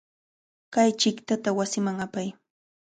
Kay chiqtata wasiman apay.